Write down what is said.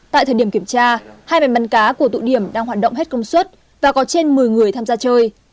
tại thời điểm kiểm tra hai bên bắn cá của tụ điểm đang hoạt động hết công suất và có trên một mươi người tham gia chơi